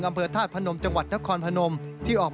ทำให้เกิดปัชฎพลลั่นธมเหลืองผู้สื่อข่าวไทยรัฐทีวีครับ